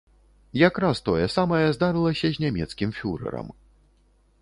Якраз тое самае здарылася з нямецкім фюрэрам.